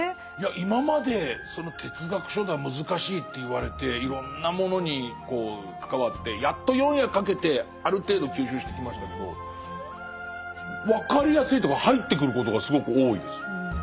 今まで哲学書だ難しいって言われていろんなものに関わってやっと４夜かけてある程度吸収してきましたけど分かりやすいというか入ってくることがすごく多いです。